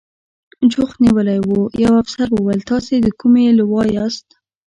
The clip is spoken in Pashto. جوخت نیولي و، یوه افسر وویل: تاسې د کومې لوا یاست؟